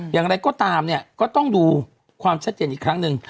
อย่างไรก็ตามเนี่ยก็ต้องดูความชัดเจนอีกครั้งหนึ่ง